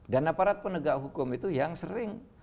dan aparat penegak hukum itu yang sering